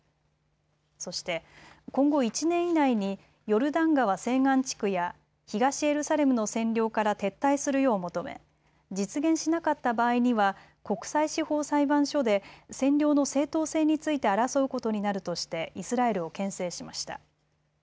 そして今後１年以内にヨルダン川西岸地区や東エルサレムの占領から撤退するよう求め実現しなかった場合には国際司法裁判所で占領の正当性について争うことになるとしてイスラエルをけん制しました。